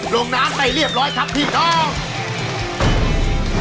ลงน้ำไปเรียบร้อยครับพี่น้อง